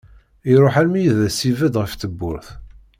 Iruḥ almi i d as-ibed ɣef tewwurt.